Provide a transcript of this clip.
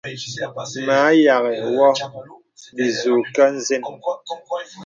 Mə a yaghì wɔ bìzūkə̀ nzən.